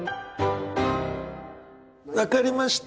分かりました。